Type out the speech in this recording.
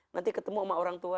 nanti ketemu sama orang tua